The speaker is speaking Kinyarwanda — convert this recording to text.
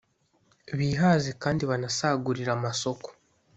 bihaze kandi banasagurire amasoko